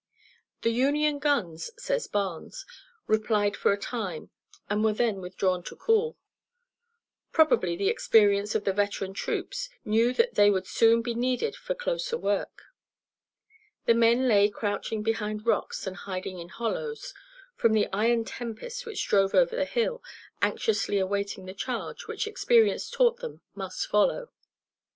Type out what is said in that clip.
"The Union guns," says Barnes, "replied for a time, and were then withdrawn to cool." Probably the experience of the veteran troops knew that they would soon be needed for closer work. The men lay crouching behind rocks and hiding in hollows, from the iron tempest which drove over the hill, anxiously awaiting the charge, which experience taught them, must follow.